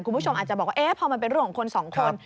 คุณผู้ชมอาจจะบอกว่าพอมันเป็นเรื่องของคนสองคน